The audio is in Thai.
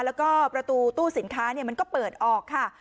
แล้วก็ประตูตู้สินค้ามันก็เปิดออกค่ะ